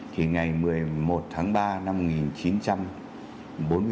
thì ngày một mươi một tháng ba năm một nghìn chín trăm bốn mươi